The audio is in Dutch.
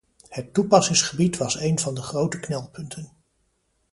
Het toepassingsgebied was een van de grote knelpunten.